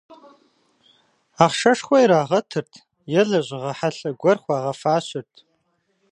Ахъшэшхуэ ирагъэтырт е лэжьыгъэ хьэлъэ гуэр хуагъэфащэрт.